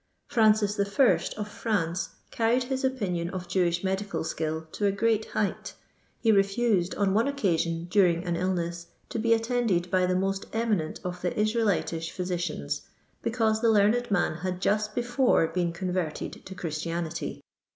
Francis I., of France, carried his opinion of Jewish medical skill to a great height ; he refused on one occasion, during an illneu, to be attended by the most eminent of the Israelitish physicians, because the learned man had just before been converted to Christianity.